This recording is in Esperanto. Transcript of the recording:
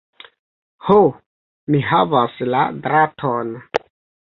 Ho, mi havas la draton!